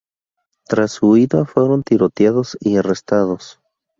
Tras su huida, fueron tiroteados y arrestados.